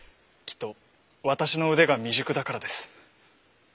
きっと私の腕が未熟だからです。